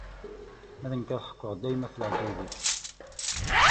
Ma d nekk, ad ḥekkuɣ dayem ɣef leɛǧayeb-ik.